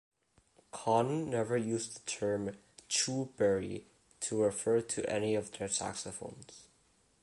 Conn never used the term "Chu Berry" to refer to any of their saxophones.